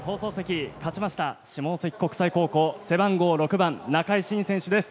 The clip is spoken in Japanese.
勝ちました下関国際高校背番号６番仲井慎選手です。